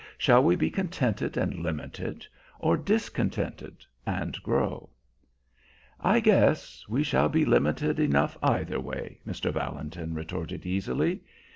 Shall we be contented and limited, or discontented and grow?" "I guess we shall be limited enough, either way," Mr. Valentin retorted easily.